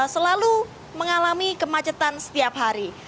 selalu mengalami kemacetan setiap hari